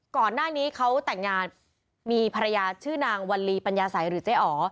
ก่อนหน้านี้เขาแต่งงานมีภรรยาชื่อนางวัลลีปัญญาสัยหรือเจ๊อ๋อ